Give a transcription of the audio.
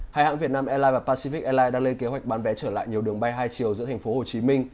hai hãng việt nam airlines và pacific airlines đang lên kế hoạch bán vé trở lại nhiều đường bay hai chiều giữa thành phố hồ chí minh